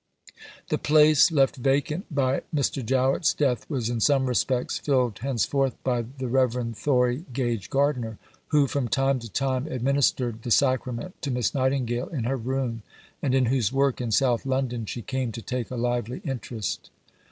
The place left vacant by Mr. Jowett's death was in some respects filled henceforth by the Rev. Thory Gage Gardiner, who from time to time administered the Sacrament to Miss Nightingale in her room, and in whose work in South London she came to take a lively interest.